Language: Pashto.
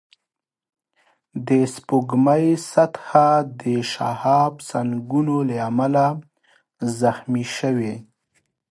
د سپوږمۍ سطحه د شهابسنگونو له امله زخمي شوې